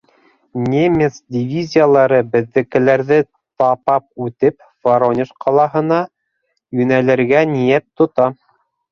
Немец дивизиялары беҙҙекеләрҙе тапап үтеп, Воронеж ҡалаһына йүнәлергә ниәт тота.